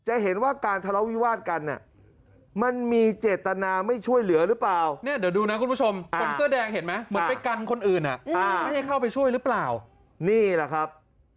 อันนี้เหรอครับ